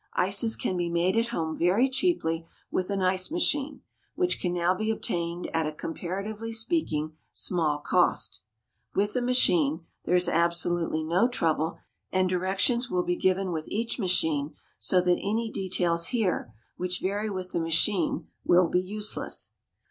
Ices can be made at home very cheaply with an ice machine, which can now be obtained at a, comparatively speaking, small cost. With a machine there is absolutely no trouble, and directions will be given with each machine, so that any details here, which vary with the machine, will be useless.